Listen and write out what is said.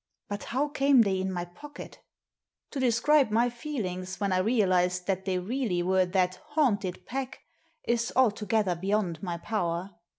But how came they in my pocket? To describe my feelings when I realised that they really were that " haunted " pack is altogether beyond my power.